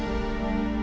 iya kamu mau ke rumah